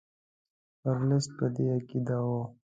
ورلسټ په دې عقیده وو.